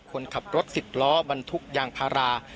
คนขับรถสิกล้อบันทุกข์อย่างพารา